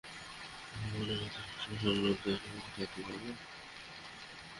কোনও ব্যক্তিই সবসময় সমানতালে সক্রিয় থাকতে পারবে না।